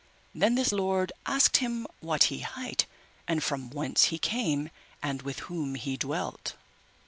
Then this lord asked him what he hight, and from whence he came, and with whom he dwelt.